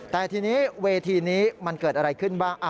แต่ทีนี้เวทีนี้มันเกิดอะไรขึ้นบ้าง